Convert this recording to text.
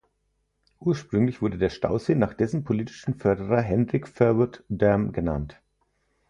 Ursprünglich wurde der Stausee nach dessen politischen Förderer "Hendrik Verwoerd Dam" genannt.